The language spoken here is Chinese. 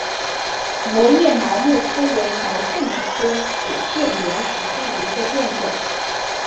膜叶毛木通为毛茛科铁线莲属下的一个变种。